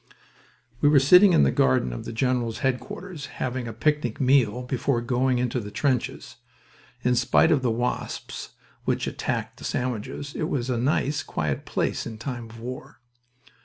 We were sitting in the garden of the general's headquarters, having a picnic meal before going into the trenches. In spite of the wasps, which attacked the sandwiches, it was a nice, quiet place in time of war.